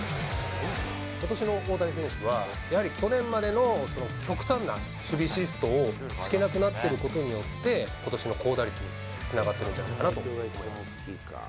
ことしの大谷選手は、やはり去年までの極端な守備シフトを敷けなくなっていることによって、ことしの高打率につながってるんじゃないかなと思います。